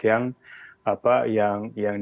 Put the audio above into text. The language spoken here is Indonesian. yang diatasi yang diatasi